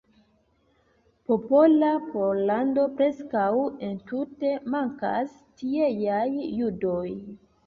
Popola Pollando preskaŭ entute mankas tieaj judoj.